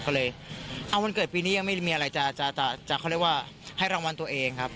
ก็เลยวันเกิดปีนี้ยังไม่มีอะไรจะให้รางวัลตัวเองครับ